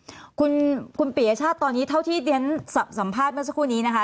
คุณปียชาติตอนนี้เท่าที่เรียนสัมภาษณ์เมื่อสักครู่นี้นะคะ